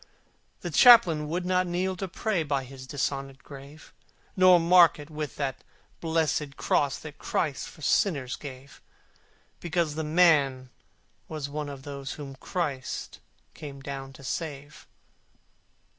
The Chaplain would not kneel to pray By his dishonoured grave: Nor mark it with that blessed Cross That Christ for sinners gave, Because the man was one of those Whom Christ came down to save.